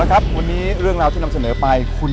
ขอบคุณพี่โจ้ด้วยครับ